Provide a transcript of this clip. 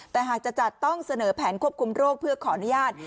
แต่หากจะจัดต้องเสนอแผนควบคุมโรคเพื่อขออนุญาต